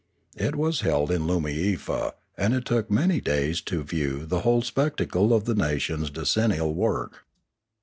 It was held in Loomiefa, and it took many days to view the whole spectacle of the nation's decennial work.